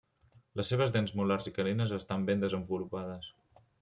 Les seves dents molars i canines estan ben desenvolupades.